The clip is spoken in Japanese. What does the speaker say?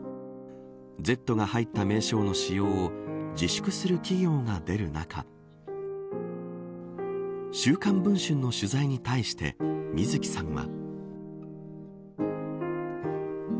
Ｚが入った名称の使用を自粛する企業が出る中週刊文春の取材に対して水木さんは。